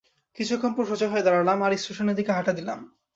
কিছুক্ষণ পর সোজা হয়ে দাঁড়ালাম, আর স্টেশনের দিকে হাঁটা দিলাম।